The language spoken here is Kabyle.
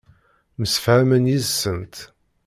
Msefhamen yid-sent.